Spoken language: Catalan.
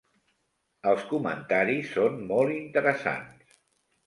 Els comentaris són molt interessants.